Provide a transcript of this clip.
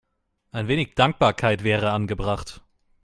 Ein wenig Dankbarkeit wäre angebracht.